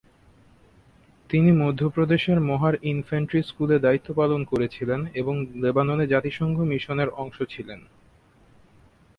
তিনি মধ্যপ্রদেশের মহা- র ইনফ্যান্ট্রি স্কুলে দায়িত্ব পালন করেছিলেন এবং লেবাননে জাতিসংঘ মিশনের অংশ ছিলেন।